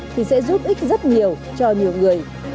thì sẽ giúp ích rất nhiều cho nhiều người